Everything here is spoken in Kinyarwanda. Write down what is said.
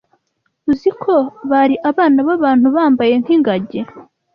uziko bari abana b’abantu bambaye nk’ingagi